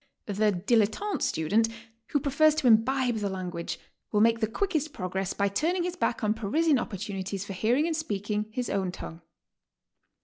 The dilettante student who prefers to imbibe the lan guage, will make the quickest progress by turning his back on Parisian opportunities for hearing and speaking his own tongue.